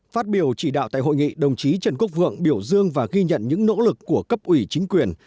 phát biểu chỉ đạo tại hội nghị đồng chí trần quốc vượng biểu dương và ghi nhận những nỗ lực của cấp ủy chính quyền